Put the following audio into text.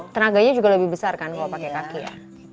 tenaganya juga lebih besar kan kalau pakai kaki ya